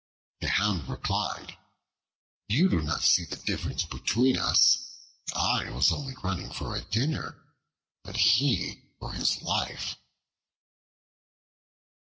The Hound replied, "You do not see the difference between us: I was only running for a dinner, but he for his life."